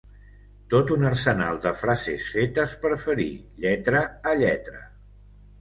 Tot un arsenal de frases fetes per ferir, lletra a lletra.